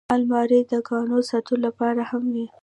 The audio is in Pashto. الماري د ګاڼو ساتلو لپاره هم وي